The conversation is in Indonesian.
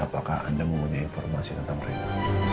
apakah anda mempunyai informasi tentang mereka